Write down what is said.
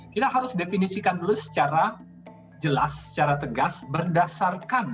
kita harus definisikan dulu secara jelas secara tegas berdasarkan